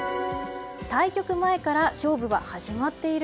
対局前から勝負は始まっている？